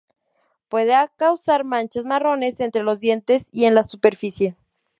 Puede causar manchas marrones entre los dientes y en la superficie.